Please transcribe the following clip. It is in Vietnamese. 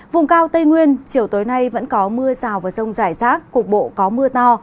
vùng cao tây nguyên chiều tối nay vẫn có mưa rào và rông rải rác cục bộ có mưa to